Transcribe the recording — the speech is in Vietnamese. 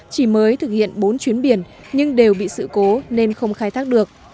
chỉ mới thực hiện bốn chuyến biển nhưng đều bị sự cố nên không khai thác được